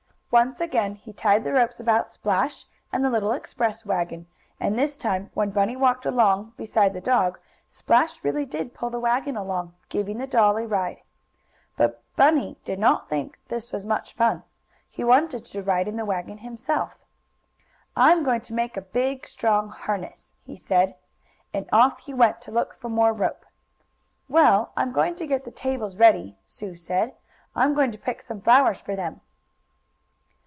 Once again he tied the ropes about Splash, and the little express wagon, and this time, when Bunny walked along beside the dog, Splash really did pull the wagon along, giving the doll a ride. But Bunny did not think this was much fun. He wanted to ride in the wagon himself. "I'm going to make a big, strong harness," he said, and off he went to look for more rope. "Well, I'm going to get the tables ready," Sue said. "I'm going to pick some flowers for them."